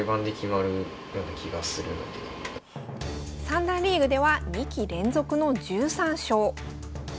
三段リーグでは２期連続の１３勝。